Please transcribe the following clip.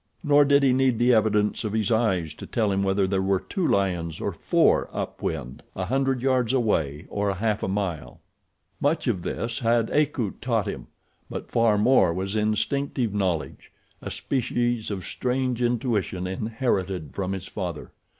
Nor did he need the evidence of his eyes to tell him whether there were two lions or four up wind,—a hundred yards away or half a mile. Much of this had Akut taught him, but far more was instinctive knowledge—a species of strange intuition inherited from his father.